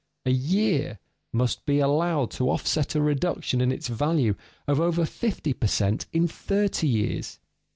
a year must be allowed to offset a reduction in its value of over fifty per cent, in thirty years.